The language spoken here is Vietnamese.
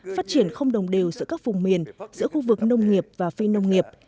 phát triển không đồng đều giữa các vùng miền giữa khu vực nông nghiệp và phi nông nghiệp